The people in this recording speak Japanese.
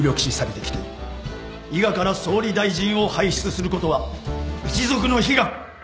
伊賀から総理大臣を輩出することは一族の悲願。